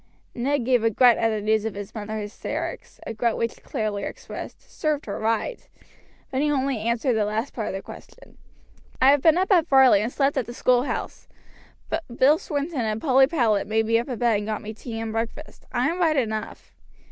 Ned gave a grunt at the news of his mother's hysterics a grunt which clearly expressed "served her right," but he only answered the last part of the question. "I have been up at Varley, and slept at the schoolhouse. Bill Swinn and Polly Powlett made me up a bed and got me tea and breakfast. I am right enough."